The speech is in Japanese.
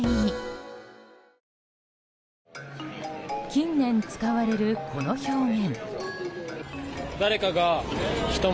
近年使われる、この表現。